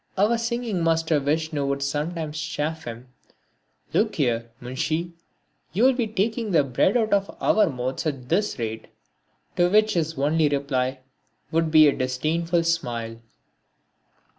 Our singing master Vishnu would sometimes chaff him: "Look here, Munshi, you'll be taking the bread out of our mouths at this rate!" To which his only reply would be a disdainful smile.